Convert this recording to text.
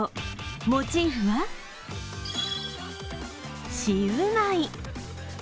モチーフはシウマイ。